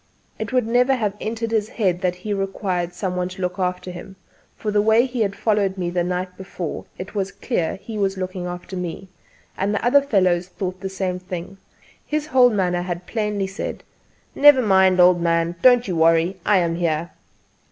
It would never have entered his head that he required some one to look after him; from the way he had followed me the night before it was clear he was looking after me; and the other fellows thought the same thing. His whole manner had plainly said: "Never mind old man! Don't you worry: I am here."